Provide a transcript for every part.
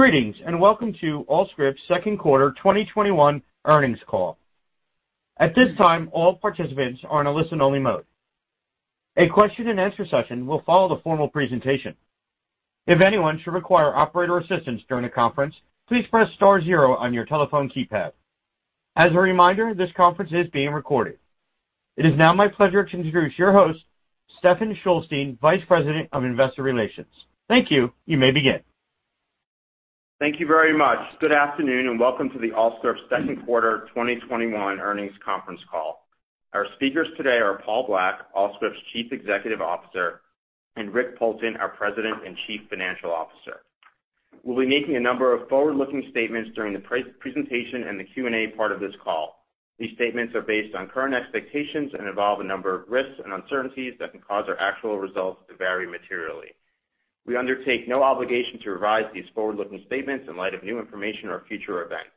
Greetings, and welcome to Allscripts' Q2 2021 earnings call. At this time, all participants are on a listen-only mode. A question-and-answer session will follow the formal presentation. If anyone should require operator assistance during the conference, please press star zero on your telephone keypad. As a reminder, this conference is being recorded. It is now my pleasure to introduce your host, Stephen Shulstein, Vice President of Investor Relations. Thank you. You may begin. Thank you very much. Good afternoon, and welcome to the Allscripts second quarter 2021 earnings conference call. Our speakers today are Paul Black, Allscripts' Chief Executive Officer, and Rick Poulton, our President and Chief Financial Officer. We'll be making a number of forward-looking statements during the presentation and the Q and A part of this call. These statements are based on current expectations and involve a number of risks and uncertainties that can cause our actual results to vary materially. We undertake no obligation to revise these forward-looking statements in light of new information or future events.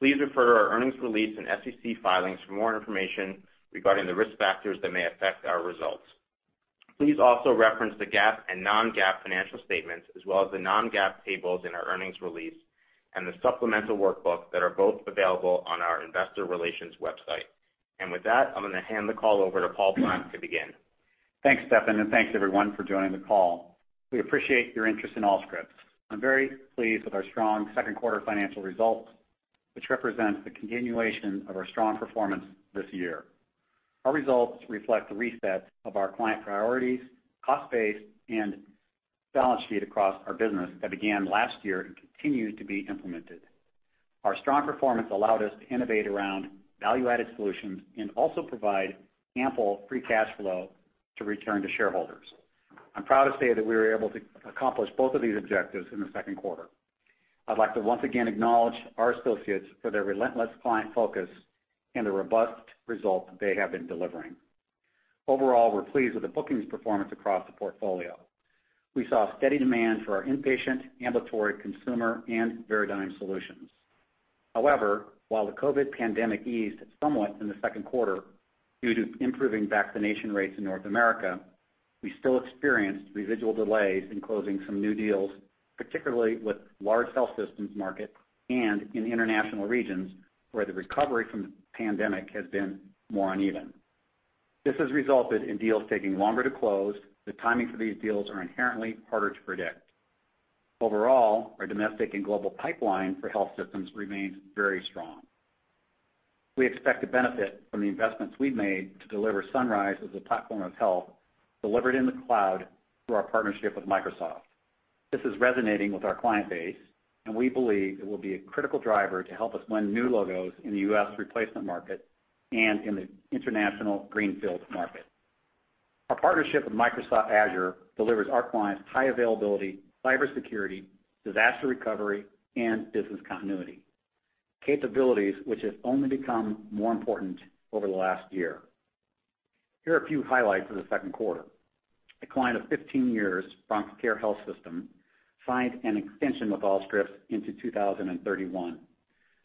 Please refer to our earnings release and SEC filings for more information regarding the risk factors that may affect our results. Please also reference the GAAP and non-GAAP financial statements as well as the non-GAAP tables in our earnings release and the supplemental workbook that are both available on our investor relations website. With that, I'm going to hand the call over to Paul Black to begin. Thanks, Stephen, and thanks everyone for joining the call. We appreciate your interest in Allscripts. I'm very pleased with our strong second quarter financial results, which represents the continuation of our strong performance this year. Our results reflect the reset of our client priorities, cost base, and balance sheet across our business that began last year and continues to be implemented. Our strong performance allowed us to innovate around value-added solutions and also provide ample free cash flow to return to shareholders. I'm proud to say that we were able to accomplish both of these objectives in the second quarter. I'd like to once again acknowledge our associates for their relentless client focus and the robust results they have been delivering. Overall, we're pleased with the bookings performance across the portfolio. We saw steady demand for our inpatient, ambulatory consumer, and Veradigm solutions. While the COVID pandemic eased somewhat in the second quarter due to improving vaccination rates in North America, we still experienced residual delays in closing some new deals, particularly with large health systems market and in international regions where the recovery from the pandemic has been more uneven. This has resulted in deals taking longer to close. The timing for these deals are inherently harder to predict. Overall, our domestic and global pipeline for health systems remains very strong. We expect to benefit from the investments we've made to deliver Sunrise as a platform of health delivered in the cloud through our partnership with Microsoft. This is resonating with our client base, and we believe it will be a critical driver to help us win new logos in the U.S. replacement market and in the international greenfield market. Our partnership with Microsoft Azure delivers our clients high availability, cybersecurity, disaster recovery, and business continuity. Capabilities which have only become more important over the last year. Here are a few highlights of the second quarter. A client of 15 years, BronxCare Health System, signed an extension with Allscripts into 2031,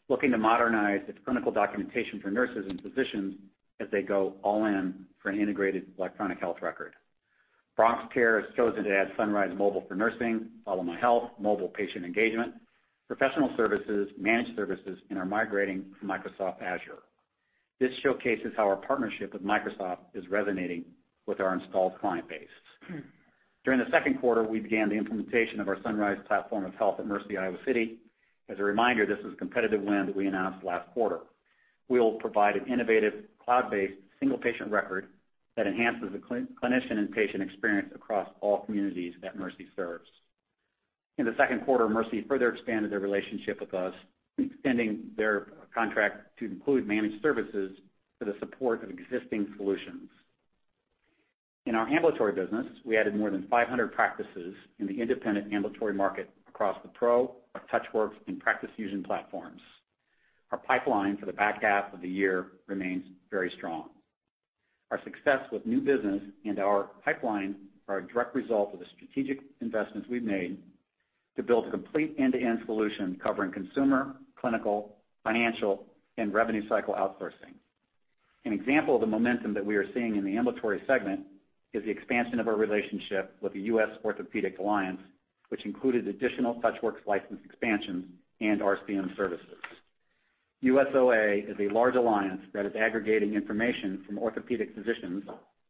looking to modernize its clinical documentation for nurses and physicians as they go all in for an integrated electronic health record. BronxCare has chosen to add Sunrise Mobile for nursing, FollowMyHealth, mobile patient engagement, professional services, managed services, and are migrating to Microsoft Azure. This showcases how our partnership with Microsoft is resonating with our installed client base. During the second quarter, we began the implementation of our Sunrise platform of health at Mercy Iowa City. As a reminder, this was a competitive win that we announced last quarter. We will provide an innovative cloud-based single patient record that enhances the clinician and patient experience across all communities that Mercy serves. In the second quarter, Mercy further expanded their relationship with us, extending their contract to include managed services for the support of existing solutions. In our ambulatory business, we added more than 500 practices in the independent ambulatory market across the Pro, TouchWorks, and Practice Fusion platforms. Our pipeline for the back half of the year remains very strong. Our success with new business and our pipeline are a direct result of the strategic investments we've made to build a complete end-to-end solution covering consumer, clinical, financial, and revenue cycle outsourcing. An example of the momentum that we are seeing in the ambulatory segment is the expansion of our relationship with the US Orthopedic Alliance, which included additional TouchWorks license expansions and RPM services. USOA is a large alliance that is aggregating information from orthopedic physicians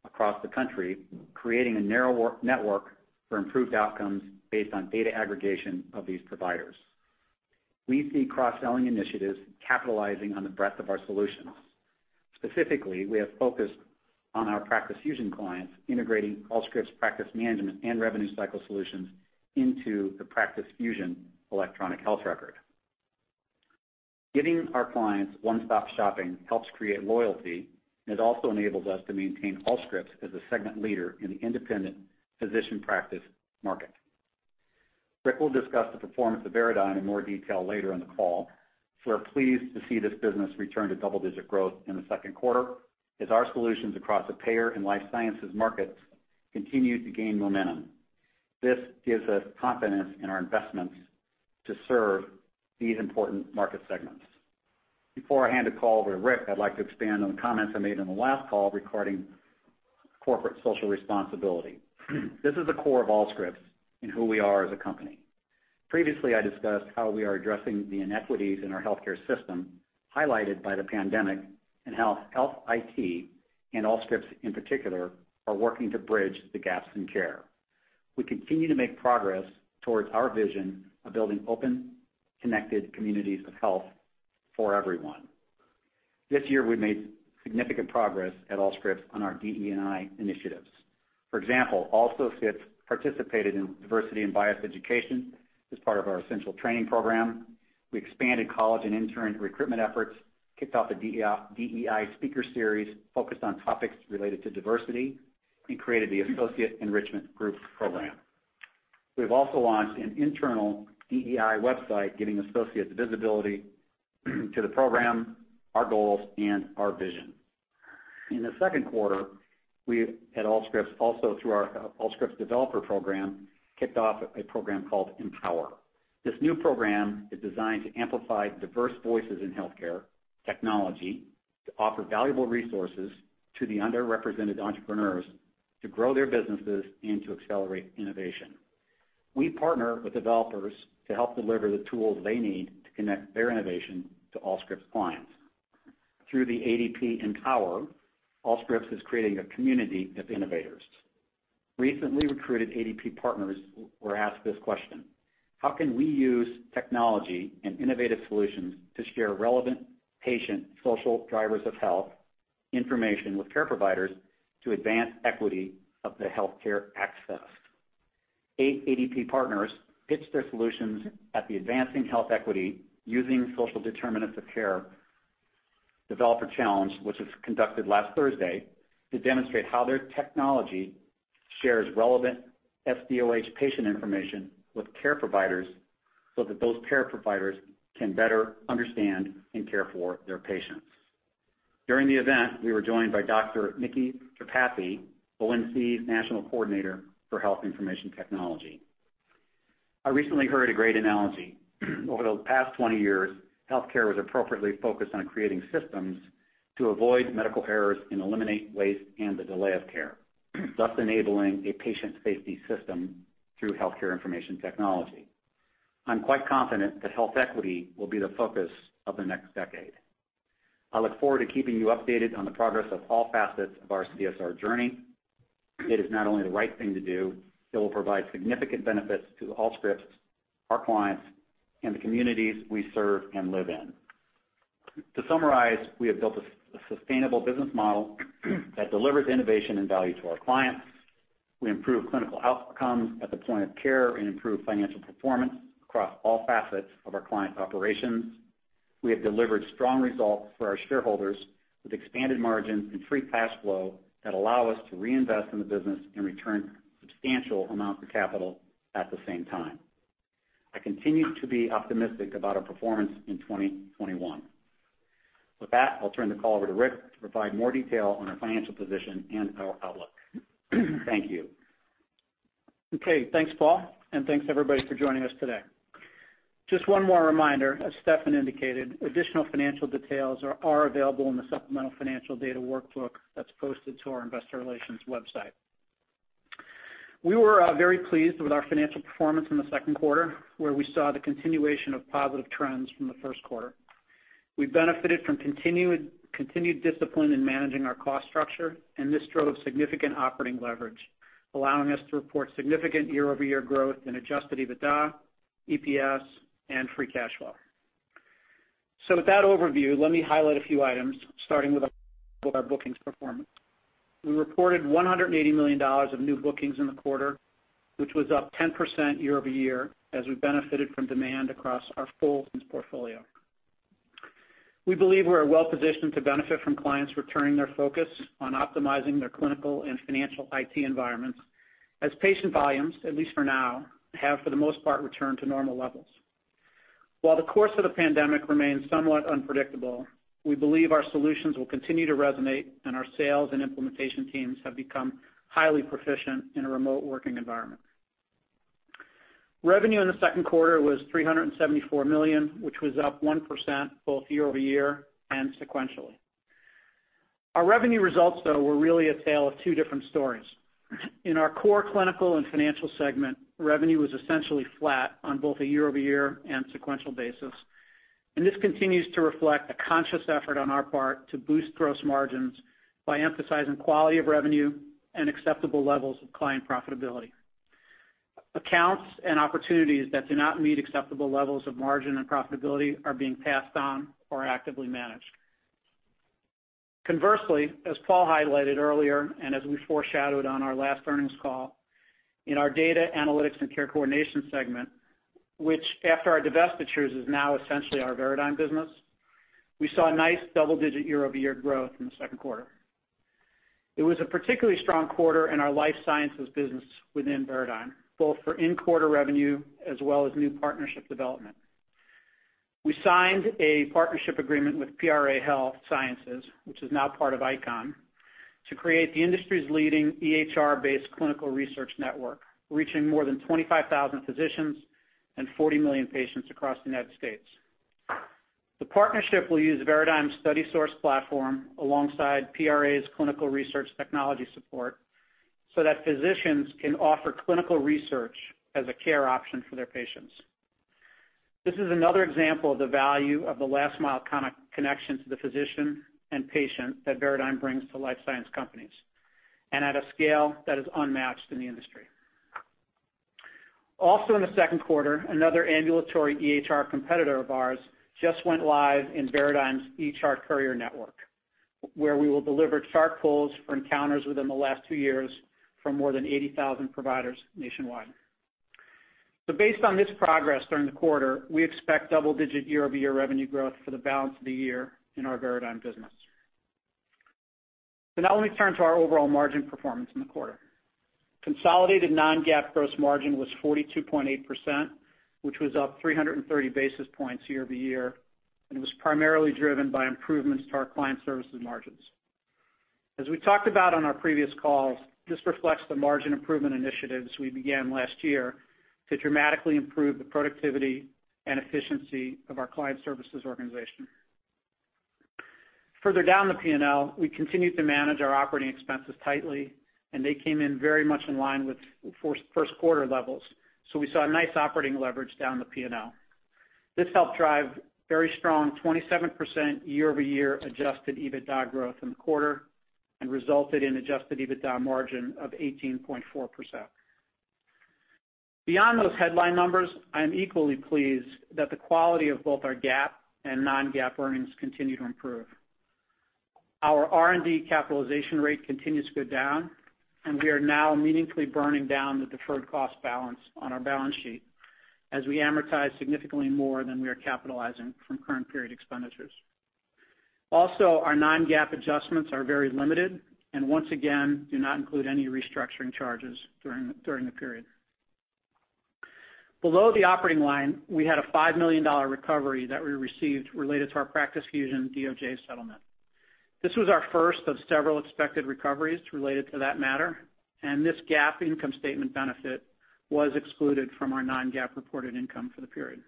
across the country, creating a network for improved outcomes based on data aggregation of these providers. We see cross-selling initiatives capitalizing on the breadth of our solutions. Specifically, we have focused on our Practice Fusion clients integrating Allscripts practice management and revenue cycle solutions into the Practice Fusion electronic health record. Giving our clients one-stop shopping helps create loyalty, and it also enables us to maintain Allscripts as a segment leader in the independent physician practice market. Rick will discuss the performance of Veradigm in more detail later in the call. We're pleased to see this business return to double-digit growth in the second quarter as our solutions across the payer and life sciences markets continue to gain momentum. This gives us confidence in our investments to serve these important market segments. Before I hand the call over to Rick, I'd like to expand on the comments I made on the last call regarding Corporate social responsibility. This is the core of Allscripts and who we are as a company. Previously, I discussed how we are addressing the inequities in our healthcare system highlighted by the pandemic, and how health IT, and Allscripts in particular, are working to bridge the gaps in care. We continue to make progress towards our vision of building open, connected communities of health for everyone. This year, we've made significant progress at Allscripts on our DE&I initiatives. For example, Allscripts participated in diversity and bias education as part of our essential training program. We expanded college and intern recruitment efforts, kicked off a DEI speaker series focused on topics related to diversity, and created the Associate Enrichment Group program. We've also launched an internal DEI website giving associates visibility to the program, our goals, and our vision. In the second quarter, we at Allscripts, also through our Allscripts Developer Program, kicked off a program called Empower. This new program is designed to amplify diverse voices in healthcare technology to offer valuable resources to the underrepresented entrepreneurs to grow their businesses and to accelerate innovation. We partner with developers to help deliver the tools they need to connect their innovation to Allscripts' clients. Through the ADP Empower, Allscripts is creating a community of innovators. Recently recruited ADP partners were asked this question: How can we use technology and innovative solutions to share relevant patient social drivers of health information with care providers to advance equity of the healthcare access? ADP partners pitched their solutions at the Advancing Health Equity Using Social Determinants of Care developer challenge, which was conducted last Thursday, to demonstrate how their technology shares relevant SDOH patient information with care providers so that those care providers can better understand and care for their patients. During the event, we were joined by Dr. Micky Tripathi, ONC's National Coordinator for Health Information Technology. I recently heard a great analogy. Over the past 20 years, healthcare was appropriately focused on creating systems to avoid medical errors and eliminate waste and the delay of care, thus enabling a patient-safety system through healthcare information technology. I'm quite confident that health equity will be the focus of the next decade. I look forward to keeping you updated on the progress of all facets of our CSR journey. It is not only the right thing to do, it will provide significant benefits to Allscripts, our clients, and the communities we serve and live in. To summarize, we have built a sustainable business model that delivers innovation and value to our clients. We improve clinical outcomes at the point of care and improve financial performance across all facets of our clients' operations. We have delivered strong results for our shareholders, with expanded margins and free cash flow that allow us to reinvest in the business and return substantial amounts of capital at the same time. I continue to be optimistic about our performance in 2021. With that, I'll turn the call over to Rick to provide more detail on our financial position and our outlook. Thank you. Okay, thanks, Paul, and thanks, everybody, for joining us today. Just one more reminder, as Stephen indicated, additional financial details are available in the supplemental financial data workbook that's posted to our investor relations website. We were very pleased with our financial performance in the second quarter, where we saw the continuation of positive trends from the first quarter. We benefited from continued discipline in managing our cost structure, and this drove significant operating leverage, allowing us to report significant year-over-year growth in Adjusted EBITDA, EPS, and free cash flow. With that overview, let me highlight a few items, starting with our bookings performance. We reported $180 million of new bookings in the quarter, which was up 10% year-over-year as we benefited from demand across our full portfolio. We believe we're well-positioned to benefit from clients returning their focus on optimizing their clinical and financial IT environments as patient volumes, at least for now, have for the most part returned to normal levels. While the course of the pandemic remains somewhat unpredictable, we believe our solutions will continue to resonate, and our sales and implementation teams have become highly proficient in a remote working environment. Revenue in the second quarter was $374 million, which was up 1% both year-over-year and sequentially. Our revenue results, though, were really a tale of two different stories. In our core clinical and financial segment, revenue was essentially flat on both a year-over-year and sequential basis. This continues to reflect a conscious effort on our part to boost gross margins by emphasizing quality of revenue and acceptable levels of client profitability. Accounts and opportunities that do not meet acceptable levels of margin and profitability are being passed on or actively managed. Conversely, as Paul highlighted earlier, as we foreshadowed on our last earnings call, in our data analytics and care coordination segment, which after our divestitures is now essentially our Veradigm business, we saw a nice double-digit year-over-year growth in the second quarter. It was a particularly strong quarter in our life sciences business within Veradigm, both for in-quarter revenue as well as new partnership development. We signed a partnership agreement with PRA Health Sciences, which is now part of ICON plc, to create the industry's leading EHR-based clinical research network, reaching more than 25,000 physicians and 40 million patients across the U.S. The partnership will use Veradigm's StudySource platform alongside PRA's clinical research technology support so that physicians can offer clinical research as a care option for their patients. This is another example of the value of the last-mile connection to the physician and patient that Veradigm brings to life science companies, and at a scale that is unmatched in the industry. Also in the second quarter, another ambulatory EHR competitor of ours just went live in Veradigm eChart Courier network, where we will deliver chart pulls for encounters within the last two years for more than 80,000 providers nationwide. Based on this progress during the quarter, we expect double-digit year-over-year revenue growth for the balance of the year in our Veradigm business. Now let me turn to our overall margin performance in the quarter. Consolidated non-GAAP gross margin was 42.8%, which was up 330 basis points year-over-year, and it was primarily driven by improvements to our client services margins. As we talked about on our previous calls, this reflects the margin improvement initiatives we began last year to dramatically improve the productivity and efficiency of our client services organization. Further down the P&L, we continued to manage our operating expenses tightly, and they came in very much in line with first quarter levels. We saw a nice operating leverage down the P&L. This helped drive very strong 27% year-over-year Adjusted EBITDA growth in the quarter and resulted in Adjusted EBITDA margin of 18.4%. Beyond those headline numbers, I am equally pleased that the quality of both our GAAP and non-GAAP earnings continue to improve. Our R&D capitalization rate continues to go down, and we are now meaningfully burning down the deferred cost balance on our balance sheet as we amortize significantly more than we are capitalizing from current period expenditures. Also, our non-GAAP adjustments are very limited and once again, do not include any restructuring charges during the period. Below the operating line, we had a $5 million recovery that we received related to our Practice Fusion DOJ settlement. This was our first of several expected recoveries related to that matter, and this GAAP income statement benefit was excluded from our non-GAAP reported income for the period.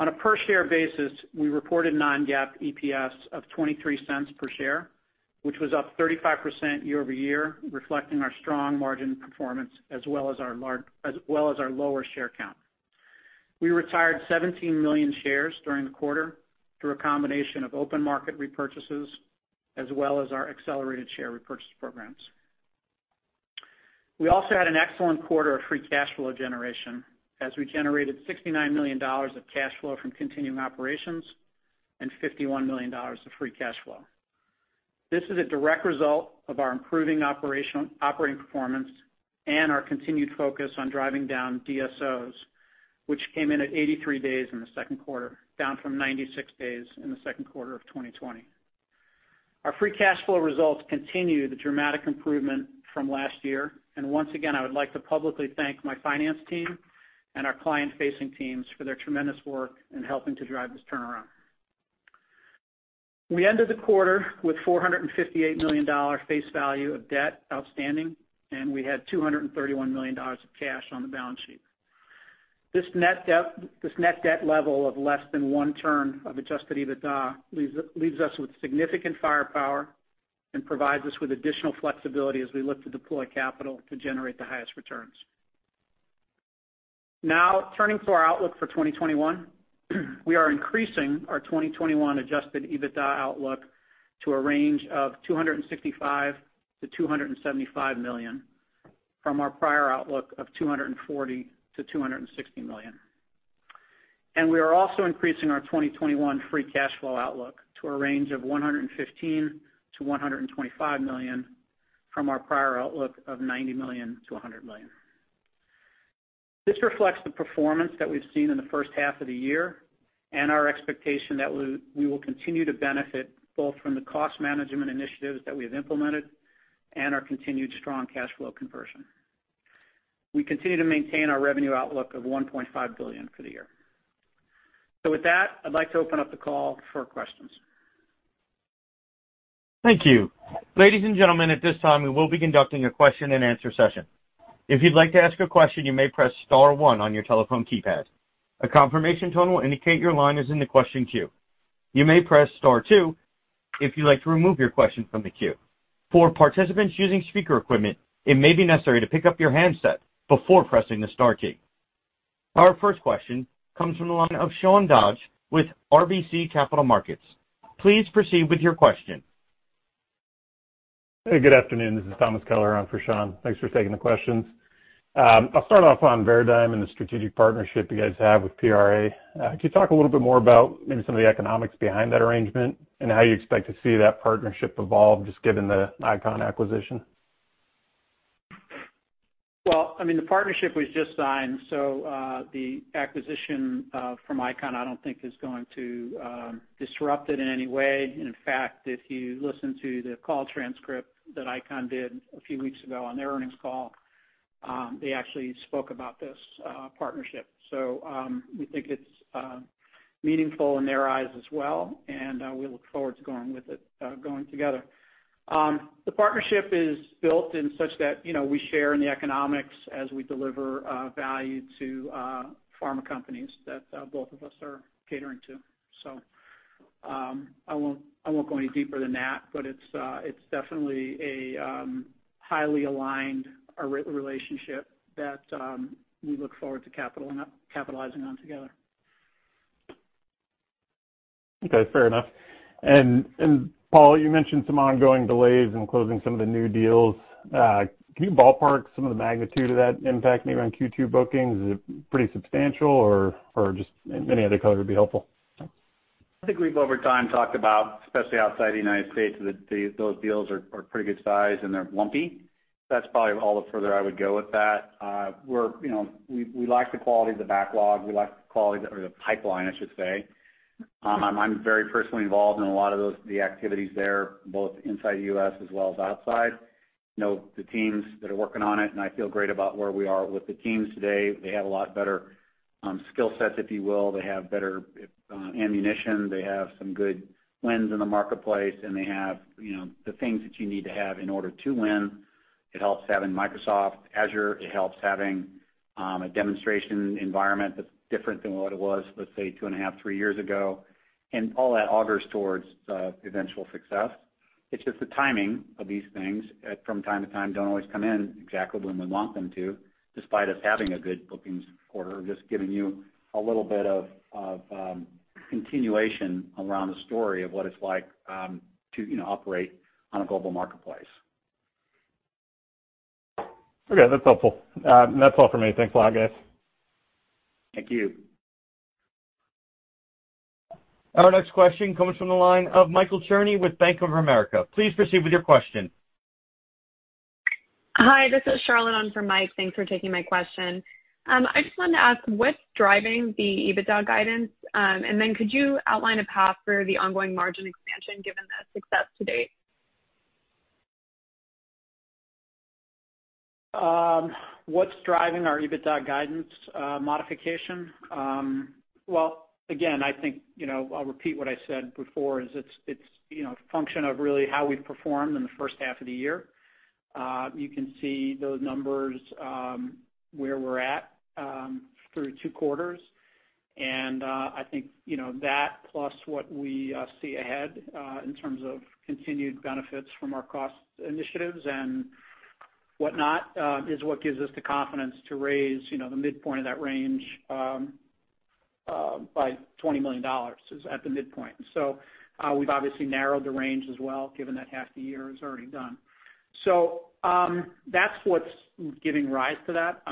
On a per-share basis, we reported non-GAAP EPS of $0.23 per share, which was up 35% year-over-year, reflecting our strong margin performance as well as our lower share count. We retired 17 million shares during the quarter through a combination of open market repurchases as well as our accelerated share repurchase programs. We also had an excellent quarter of free cash flow generation as we generated $69 million of cash flow from continuing operations and $51 million of free cash flow. This is a direct result of our improving operating performance and our continued focus on driving down DSOs, which came in at 83 days in the second quarter, down from 96 days in the second quarter of 2020. Our free cash flow results continue the dramatic improvement from last year, and once again, I would like to publicly thank my finance team and our client-facing teams for their tremendous work in helping to drive this turnaround. We ended the quarter with $458 million face value of debt outstanding, and we had $231 million of cash on the balance sheet. This net debt level of less than one turn of Adjusted EBITDA leaves us with significant firepower and provides us with additional flexibility as we look to deploy capital to generate the highest returns. Now turning to our outlook for 2021. We are increasing our 2021 Adjusted EBITDA outlook to a range of $265 million-$275 million from our prior outlook of $240 million-$260 million. We are also increasing our 2021 free cash flow outlook to a range of $115 million-$125 million from our prior outlook of $90 million-$100 million. This reflects the performance that we've seen in the first half of the year and our expectation that we will continue to benefit both from the cost management initiatives that we have implemented and our continued strong cash flow conversion. We continue to maintain our revenue outlook of $1.5 billion for the year. With that, I'd like to open up the call for questions. Thank you. Ladies and gentlemen at this time we will be conducting question-and-answer session. If you would like to asked a question you may press star one on your telephone keypad. A confirmation tone will indicate your line is in the question queue. You may press star two to if you would like to remove your question from the queue. For participants using speaker equipment, it may be necessary to pick up your handset before pressing the star key. Our first question comes from the line of Sean Dodge with RBC Capital Markets. Please proceed with your question. Hey, good afternoon. This is Thomas Keller on for Sean. Thanks for taking the questions. I'll start off on Veradigm and the strategic partnership you guys have with PRA. Could you talk a little bit more about maybe some of the economics behind that arrangement and how you expect to see that partnership evolve just given the ICON acquisition? Well, the partnership was just signed, so the acquisition from ICON I don't think is going to disrupt it in any way. In fact, if you listen to the call transcript that ICON did a few weeks ago on their earnings call, they actually spoke about this partnership. We think it's meaningful in their eyes as well, and we look forward to going together. The partnership is built in such that we share in the economics as we deliver value to pharma companies that both of us are catering to. I won't go any deeper than that, but it's definitely a highly aligned relationship that we look forward to capitalizing on together. Okay. Fair enough. Paul, you mentioned some ongoing delays in closing some of the new deals. Can you ballpark some of the magnitude of that impact maybe on Q2 bookings? Is it pretty substantial or just any other color would be helpful? I think we've over time talked about, especially outside the United States, that those deals are pretty good size and they're lumpy. That's probably all the further I would go with that. We like the quality of the backlog. We like the quality or the pipeline, I should say. I'm very personally involved in a lot of the activities there, both inside the U.S. as well as outside. Know the teams that are working on it, and I feel great about where we are with the teams today. They have a lot better skill sets, if you will. They have better ammunition. They have some good wins in the marketplace, and they have the things that you need to have in order to win. It helps having Microsoft Azure. It helps having a demonstration environment that's different than what it was, let's say, 2.5, three years ago. All that augurs towards eventual success. It's just the timing of these things from time to time don't always come in exactly when we want them to, despite us having a good bookings quarter. Just giving you a little bit of continuation around the story of what it's like to operate on a global marketplace. Okay, that's helpful. That's all for me. Thanks a lot, guys. Thank you. Our next question comes from the line of Michael Cherny with Bank of America. Please proceed with your question. Hi, this is Charlotte on for Mike. Thanks for taking my question. I just wanted to ask what's driving the EBITDA guidance, and then could you outline a path for the ongoing margin expansion given the success to date? What's driving our EBITDA guidance modification? Well, again, I think I'll repeat what I said before is it's a function of really how we've performed in the first half of the year. You can see those numbers where we're at through two quarters. I think that plus what we see ahead in terms of continued benefits from our cost initiatives and whatnot is what gives us the confidence to raise the midpoint of that range by $20 million is at the midpoint. We've obviously narrowed the range as well, given that half the year is already done. That's what's giving rise to that.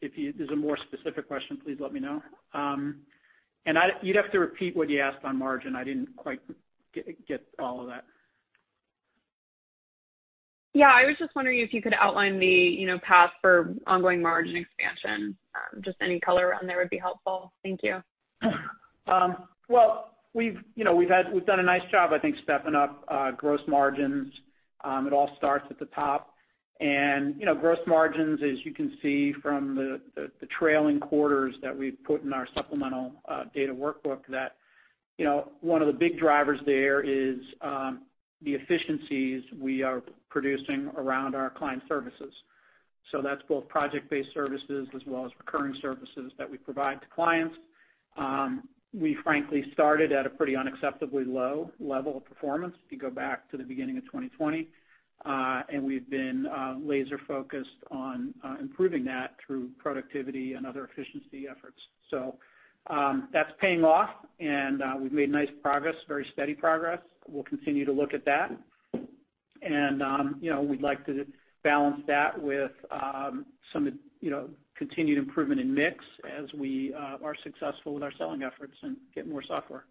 If there's a more specific question, please let me know. You'd have to repeat what you asked on margin. I didn't quite get all of that. I was just wondering if you could outline the path for ongoing margin expansion. Just any color around there would be helpful. Thank you. Well, we've done a nice job, I think, stepping up gross margins. It all starts at the top. Gross margins, as you can see from the trailing quarters that we've put in our supplemental data workbook that one of the big drivers there is the efficiencies we are producing around our client services. That's both project-based services as well as recurring services that we provide to clients. We frankly started at a pretty unacceptably low level of performance if you go back to the beginning of 2020, and we've been laser-focused on improving that through productivity and other efficiency efforts. That's paying off, and we've made nice progress, very steady progress. We'll continue to look at that. We'd like to balance that with some continued improvement in mix as we are successful with our selling efforts and get more software.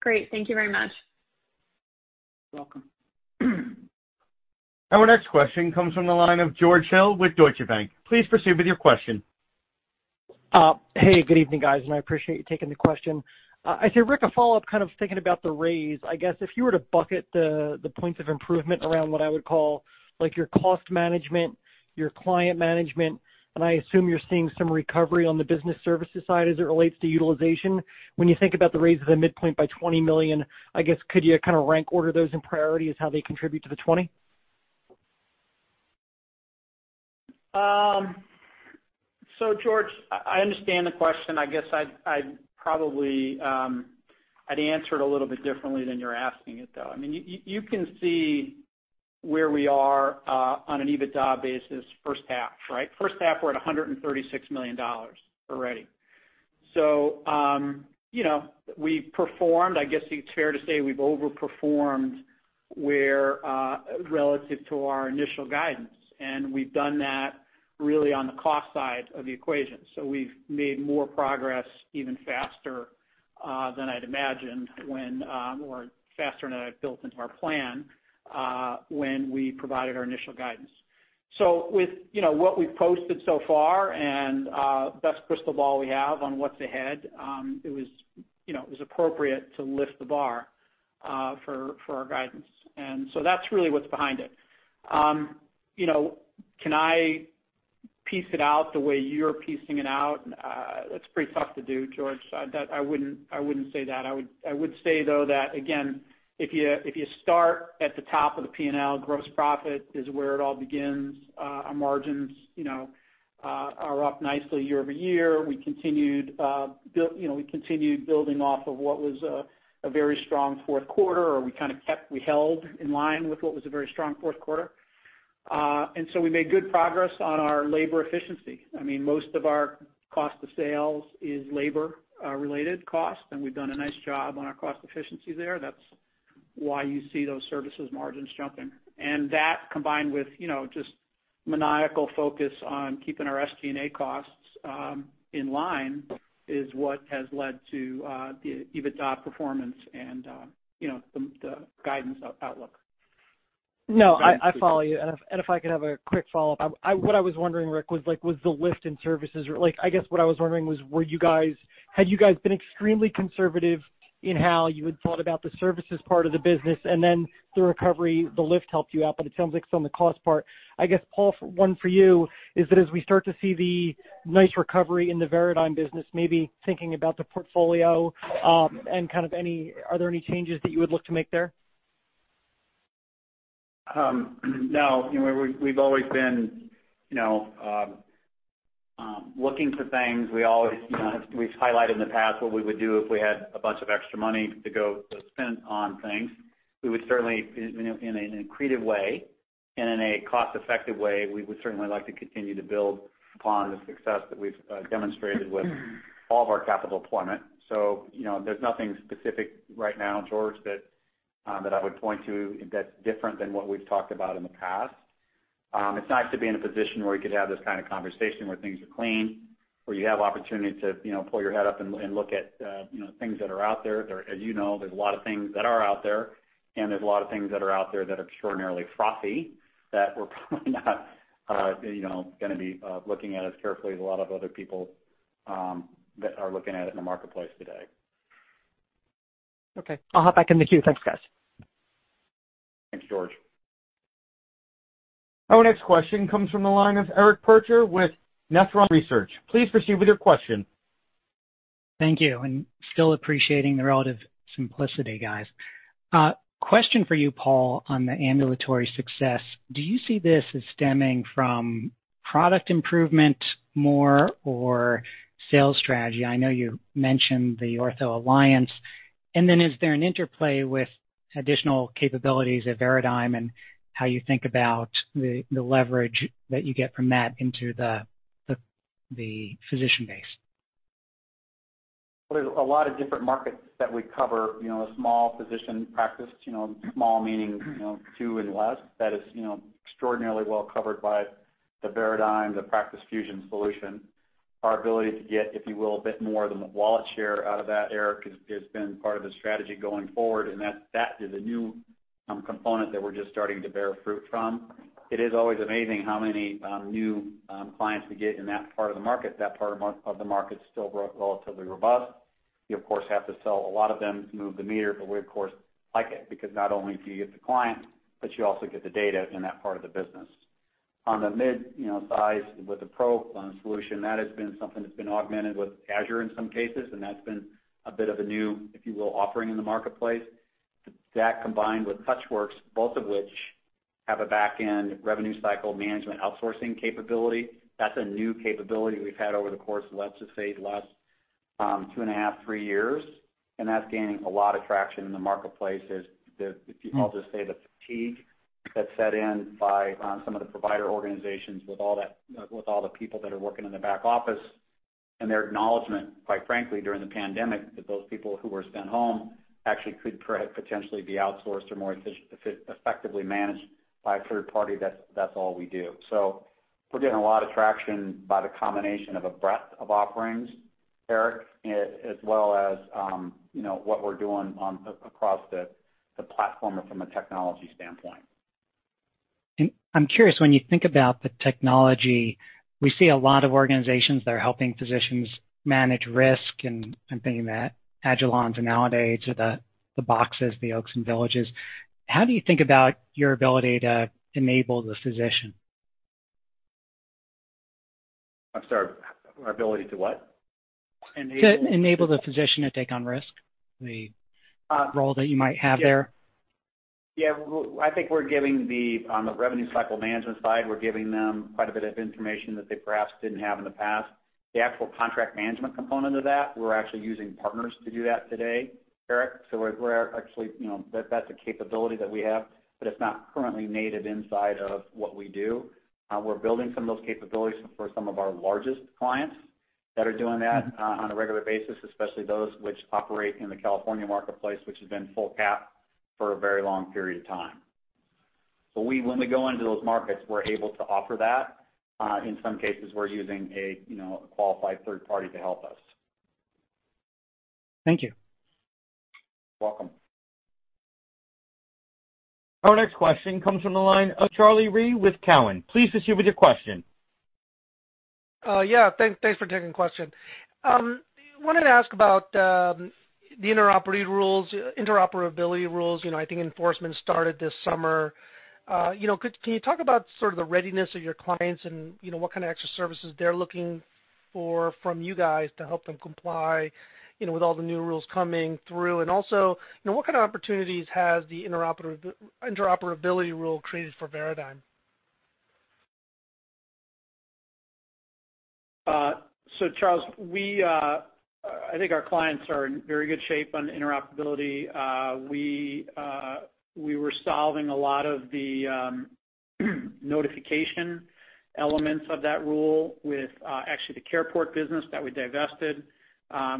Great. Thank you very much. You're welcome. Our next question comes from the line of George Hill with Deutsche Bank. Please proceed with your question. Hey, good evening, guys. I appreciate you taking the question. I say, Rick, a follow-up, kind of thinking about the raise. I guess if you were to bucket the points of improvement around what I would call your cost management, your client management, and I assume you're seeing some recovery on the business services side as it relates to utilization. When you think about the raise of the midpoint by $20 million, I guess could you kind of rank order those in priority as how they contribute to the 20? George, I understand the question. I guess I'd probably answer it a little bit differently than you're asking it, though. You can see where we are on an EBITDA basis first half, right? First half we're at $136 million already. We've performed, I guess it's fair to say we've overperformed relative to our initial guidance. We've done that really on the cost side of the equation. We've made more progress even faster than I'd imagined or faster than I'd built into our plan when we provided our initial guidance. With what we've posted so far and best crystal ball we have on what's ahead, it was appropriate to lift the bar for our guidance. That's really what's behind it. Piece it out the way you're piecing it out, it's pretty tough to do, George. I wouldn't say that. I would say, though, that again, if you start at the top of the P&L, gross profit is where it all begins. Our margins are up nicely year-over-year. We continued building off of what was a very strong fourth quarter, or we held in line with what was a very strong fourth quarter. We made good progress on our labor efficiency. Most of our cost of sales is labor-related costs, and we've done a nice job on our cost efficiency there. That's why you see those services margins jumping. That, combined with just maniacal focus on keeping our SG&A costs in line, is what has led to the EBITDA performance and the guidance outlook. No, I follow you. If I could have a quick follow-up. What I was wondering, Rick, was the lift in services. I guess what I was wondering was, had you guys been extremely conservative in how you had thought about the services part of the business and then the recovery, the lift helped you out, but it sounds like it's on the cost part. I guess, Paul, one for you is that as we start to see the nice recovery in the Veradigm business, maybe thinking about the portfolio, are there any changes that you would look to make there? No. We've always been looking for things. We've highlighted in the past what we would do if we had a bunch of extra money to go to spend on things. In an accretive way and in a cost-effective way, we would certainly like to continue to build upon the success that we've demonstrated with all of our capital deployment. There's nothing specific right now, George, that I would point to that's different than what we've talked about in the past. It's nice to be in a position where we could have this kind of conversation, where things are clean, where you have opportunity to pull your head up and look at things that are out there. As you know, there's a lot of things that are out there, and there's a lot of things that are out there that are extraordinarily frothy that we're probably not going to be looking at as carefully as a lot of other people that are looking at it in the marketplace today. Okay. I'll hop back in the queue. Thanks, guys. Thanks, George. Our next question comes from the line of Eric Percher with Nephron Research. Please proceed with your question. Thank you. Still appreciating the relative simplicity, guys. Question for you, Paul, on the ambulatory success? Do you see this as stemming from product improvement more or sales strategy? I know you mentioned the Ortho Alliance. Is there an interplay with additional capabilities at Veradigm and how you think about the leverage that you get from that into the physician base? Well, there is a lot of different markets that we cover. A small physician practice, small meaning two and less. That is extraordinarily well covered by the Veradigm, the Practice Fusion solution. Our ability to get, if you will, a bit more of the wallet share out of that, Eric, has been part of the strategy going forward, and that is a new component that we are just starting to bear fruit from. It is always amazing how many new clients we get in that part of the market. That part of the market is still relatively robust. You, of course, have to sell a lot of them to move the meter, but we, of course, like it because not only do you get the client, but you also get the data in that part of the business. On the mid-size with the Pro PM solution, that has been something that's been augmented with Azure in some cases, and that's been a bit of a new, if you will, offering in the marketplace. That combined with TouchWorks, both of which have a back-end revenue cycle management outsourcing capability. That's a new capability we've had over the course of, let's just say, the last 2.5, three years, and that's gaining a lot of traction in the marketplace. I'll just say the fatigue that set in by some of the provider organizations with all the people that are working in the back office and their acknowledgment, quite frankly, during the pandemic, that those people who were sent home actually could potentially be outsourced or more effectively managed by a third party. That's all we do. We're getting a lot of traction by the combination of a breadth of offerings, Eric, as well as what we're doing across the platform from a technology standpoint. I'm curious, when you think about the technology, we see a lot of organizations that are helping physicians manage risk, and I'm thinking the Agilons and Aledades or the Boxes, the Oaks and Villages. How do you think about your ability to enable the physician? I'm sorry, our ability to what? To enable the physician to take on risk, the role that you might have there. Yeah. I think on the revenue cycle management side, we're giving them quite a bit of information that they perhaps didn't have in the past. The actual contract management component of that, we're actually using partners to do that today, Eric. That's a capability that we have, but it's not currently native inside of what we do. We're building some of those capabilities for some of our largest clients that are doing that on a regular basis, especially those which operate in the California marketplace, which has been full cap for a very long period of time. When we go into those markets, we're able to offer that. In some cases, we're using a qualified third party to help us. Thank you. Welcome. Our next question comes from the line of Charles Rhyee with Cowen. Please proceed with your question. Yeah. Thanks for taking question. Wanted to ask about the interoperability rules. I think enforcement started this summer. Can you talk about sort of the readiness of your clients and what kind of extra services they're looking for from you guys to help them comply with all the new rules coming through? What kind of opportunities has the interoperability rule created for Veradigm? Charles, I think our clients are in very good shape on interoperability. We were solving a lot of the notification elements of that rule with, actually the CarePort business that we divested.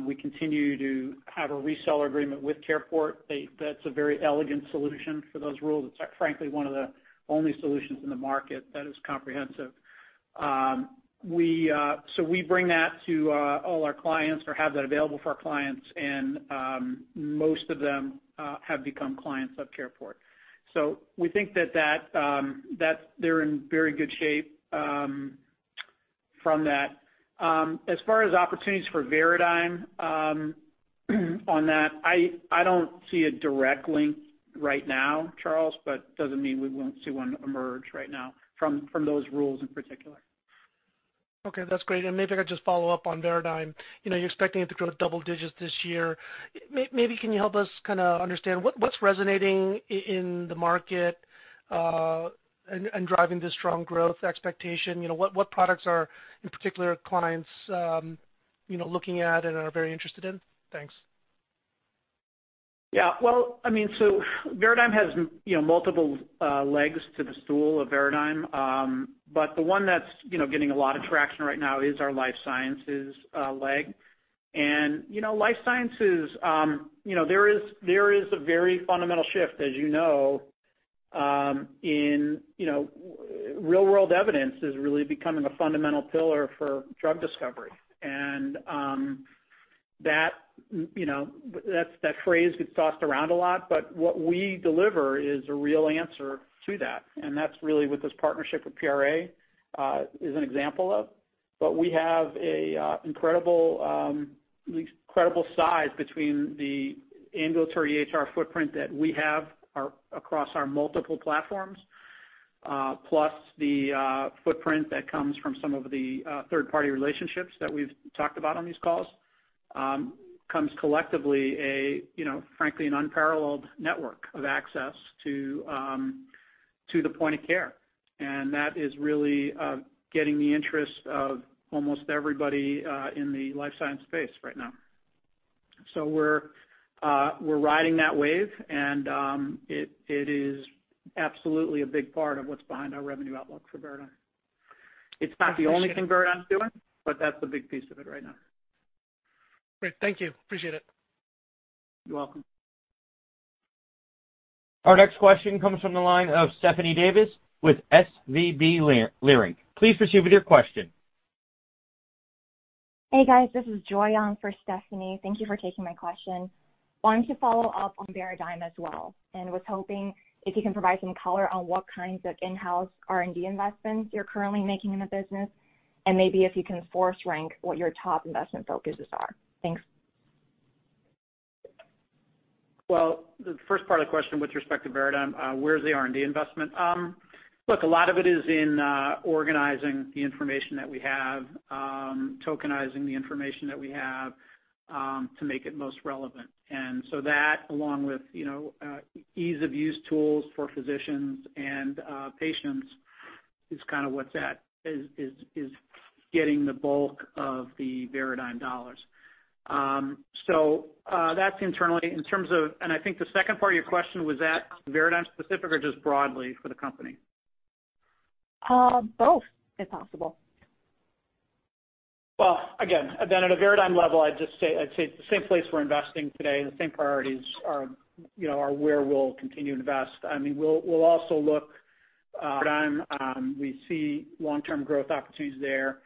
We continue to have a reseller agreement with CarePort. That's a very elegant solution for those rules. It's frankly, one of the only solutions in the market that is comprehensive. We bring that to all our clients or have that available for our clients, and most of them have become clients of CarePort. We think that they're in very good shape from that. As far as opportunities for Veradigm on that, I don't see a direct link right now, Charles, but doesn't mean we won't see one emerge right now from those rules in particular. Okay. That's great. Maybe if I just follow up on Veradigm. You're expecting it to grow double digits this year. Maybe can you help us understand what's resonating in the market and driving this strong growth expectation? What products are in particular clients looking at and are very interested in? Thanks. Yeah. Veradigm has multiple legs to the stool of Veradigm. The one that's getting a lot of traction right now is our life sciences leg. Life sciences, there is a very fundamental shift, as you know. Real-world evidence is really becoming a fundamental pillar for drug discovery. That phrase gets tossed around a lot, but what we deliver is a real answer to that. That's really what this partnership with PRA is an example of. We have an incredible size between the ambulatory EHR footprint that we have across our multiple platforms, plus the footprint that comes from some of the third-party relationships that we've talked about on these calls, comes collectively frankly, an unparalleled network of access to the point of care. That is really getting the interest of almost everybody in the life science space right now. We're riding that wave, and it is absolutely a big part of what's behind our revenue outlook for Veradigm. It's not the only thing Veradigm's doing, but that's a big piece of it right now. Great. Thank you. Appreciate it. You're welcome. Our next question comes from the line of Stephanie Davis with SVB Leerink. Please proceed with your question. Hey, guys, this is Joy on for Stephanie. Thank you for taking my question. Wanted to follow up on Veradigm as well. Was hoping if you can provide some color on what kinds of in-house R&D investments you're currently making in the business, and maybe if you can force rank what your top investment focuses are. Thanks. Well, the first part of the question with respect to Veradigm, where's the R&D investment? Look, a lot of it is in organizing the information that we have, tokenizing the information that we have, to make it most relevant. That, along with ease-of-use tools for physicians and patients is kind of what's at, is getting the bulk of the Veradigm dollars. That's internally. I think the second part of your question was at Veradigm specific or just broadly for the company? Both, if possible. Again, at a Veradigm level, I'd say the same place we're investing today, the same priorities are where we'll continue to invest. We'll also look at Veradigm. We see long-term growth opportunities there.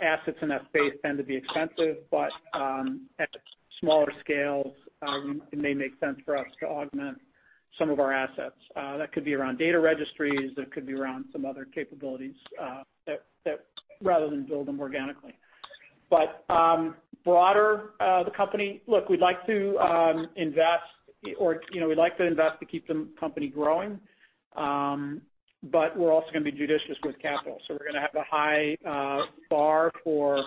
Assets in that space tend to be expensive, but at smaller scales, it may make sense for us to augment some of our assets. That could be around data registries, that could be around some other capabilities, rather than build them organically. Broader, the company. Look, we'd like to invest to keep the company growing, but we're also going to be judicious with capital. We're going to have a high bar for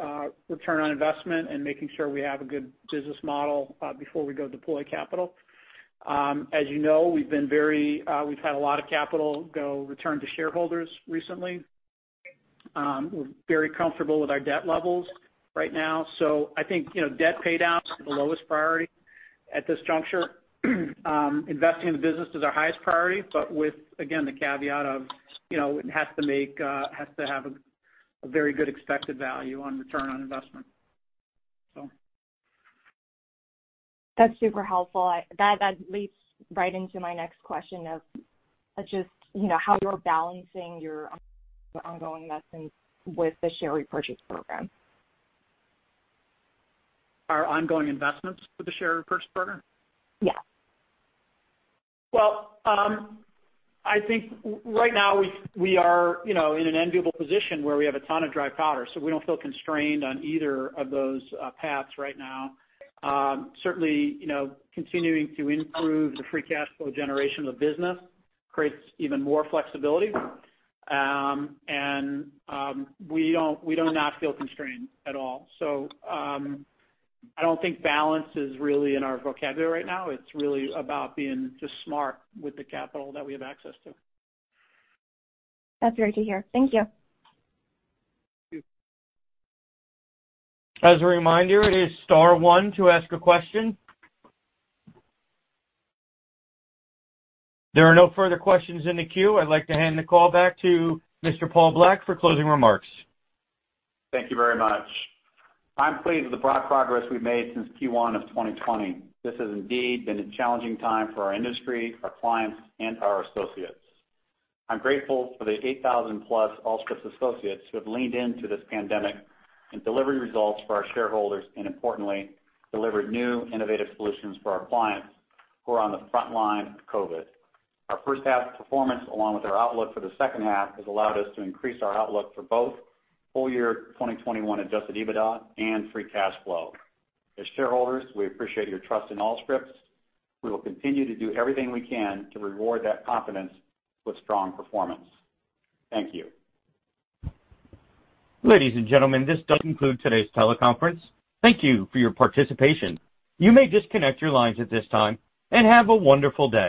ROI and making sure we have a good business model before we go deploy capital. As you know, we've had a lot of capital go return to shareholders recently. We're very comfortable with our debt levels right now. I think, debt pay down is the lowest priority at this juncture. Investing in the business is our highest priority, but with, again, the caveat of, it has to have a very good expected value on return on investment. That's super helpful. That leads right into my next question of just how you're balancing your ongoing investments with the share repurchase program. Our ongoing investments with the share repurchase program? Yeah. Well, I think right now we are in an enviable position where we have a ton of dry powder, so we don't feel constrained on either of those paths right now. Certainly, continuing to improve the free cash flow generation of the business creates even more flexibility. We do not feel constrained at all. I don't think balance is really in our vocabulary right now. It's really about being just smart with the capital that we have access to. That's great to hear. Thank you. Thank you. As a reminder, it is star one to ask a question. There are no further questions in the queue. I'd like to hand the call back to Mr. Paul Black for closing remarks. Thank you very much. I'm pleased with the broad progress we've made since Q1 of 2020. This has indeed been a challenging time for our industry, our clients and our associates. I'm grateful for the 8,000+ Allscripts associates who have leaned into this pandemic and delivered results for our shareholders, and importantly, delivered new, innovative solutions for our clients who are on the front line of COVID. Our first half performance, along with our outlook for the second half, has allowed us to increase our outlook for both full year 2021 Adjusted EBITDA and free cash flow. As shareholders, we appreciate your trust in Allscripts. We will continue to do everything we can to reward that confidence with strong performance. Thank you. Ladies and gentlemen, this does conclude today's teleconference. Thank you for your participation. You may disconnect your lines at this time, and have a wonderful day